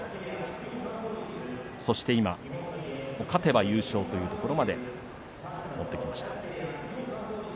そして今、勝てば優勝というところまで持ってきました。